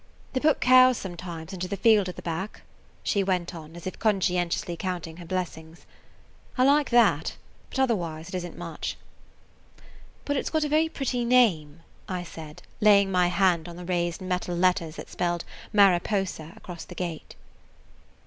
"They put cows sometimes into the field at the back," she went on, as if conscientiously counting her blessings. "I like that; but otherwise it isn't much." "But it 's got a very pretty name," I said, laying my hand on the raised metal letters that spelled "Mariposa" across the gate.